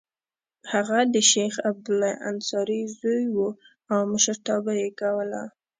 هغه د شیخ عبدالله انصاري زوی و او مشرتابه یې کوله.